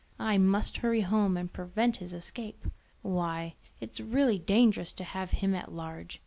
"I must hurry home and prevent his escape. Why, it's really dangerous to have him at large.